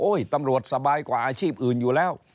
ตำรวจสบายกว่าอาชีพอื่นอยู่แล้ว